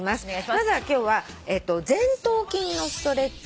まずは今日は前頭筋のストレッチです。